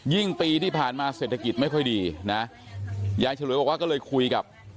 ปีที่ผ่านมาเศรษฐกิจไม่ค่อยดีนะยายฉลวยบอกว่าก็เลยคุยกับ